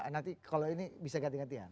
nanti kalau ini bisa ganti gantian